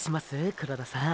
黒田さん。